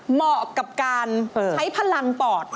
เหมาะกับการใช้พลังปอด